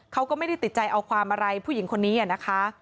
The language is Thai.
เขาก็ไม่ได้ติดใจเอาความอะไรผู้หญิงคนนี้นะคะ